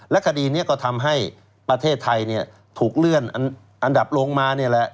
คดีนี้ก็ทำให้ประเทศไทยถูกเลื่อนอันดับลงมานี่แหละ